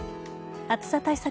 暑さ対策